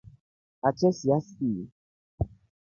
Ate siasii.